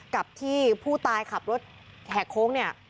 กับที่ผู้ตายขับรถแหกโค้งเนี่ย